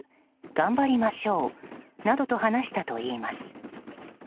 頑張りましょうなどと話したといいます。